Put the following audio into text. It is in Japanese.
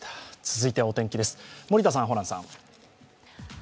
続いてはお天気です、森田さんホランさん。